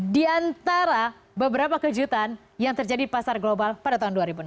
di antara beberapa kejutan yang terjadi di pasar global pada tahun dua ribu enam belas